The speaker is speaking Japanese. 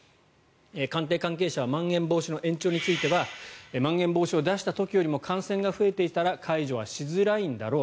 官邸関係者はまん延防止の延長についてはまん延防止を出した時よりも感染が増えていたら解除はしづらいんだろう。